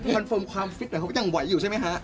เฟิร์มความฟิตหน่อยเขาก็ยังไหวอยู่ใช่ไหมฮะ